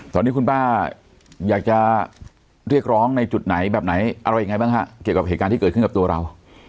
ตอนนี้คุณป้าอยากจะเรียกร้องในจุดไหนแบบไหนอะไรยังไงบ้างฮะเกี่ยวกับเหตุการณ์ที่เกิดขึ้นกับตัวเรา